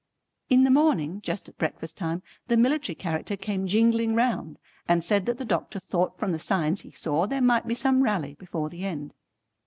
In the morning just at breakfast time the military character came jingling round, and said that the doctor thought from the signs he saw there might be some rally before the end.